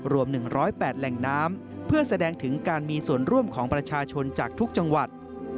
รวม๑๐๘แหล่งน้ำเพื่อแสดงถึงการมีส่วนร่วมของประชาชนจากทุกจังหวัด